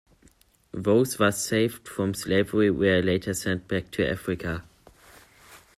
Those thus saved from slavery were later sent back to Africa.